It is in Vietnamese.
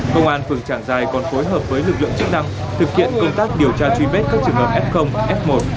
công an phường tràng giai còn phối hợp với lực lượng chức năng thực hiện công tác điều tra truy bết các trường hợp f f một